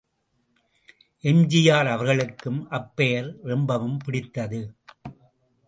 எம்.ஜி.ஆர். அவர்களுக்கும் அப்பெயர் ரொம்பவும் பிடித்தது.